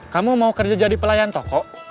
kamu mau kerja jadi pelayan toko